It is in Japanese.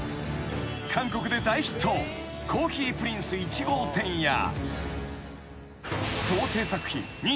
［韓国で大ヒット『コーヒープリンス１号店』や］